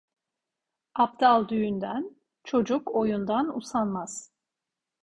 Abdal düğünden, çocuk oyundan usanmaz.